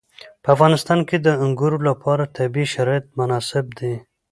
په افغانستان کې د انګورو لپاره طبیعي شرایط مناسب دي.